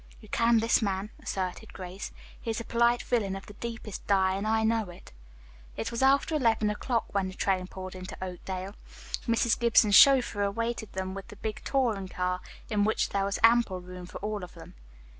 "You can this man," asserted Grace. "He is a polite villain of the deepest dye, and I know it." It was after eleven o'clock when the train pulled into Oakdale. Mrs. Gibson's chauffeur awaited them with the big touring car, in which there was ample room for all of them.